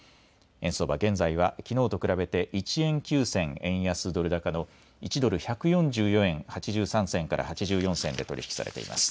円相場、現在はきのうと比べて１円９銭円安ドル高の１ドル１４４円８３銭から８４銭で取り引きされています。